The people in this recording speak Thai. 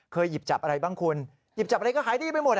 หยิบจับอะไรบ้างคุณหยิบจับอะไรก็หายดีไปหมด